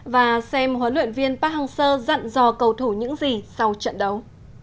và xem huấn luyện viên park hang seo dặn dò cầu thủ những gì sau trận đấu